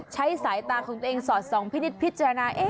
ใช้สายตาของตัวเองสอนเป็นสองพิตรพิจารณา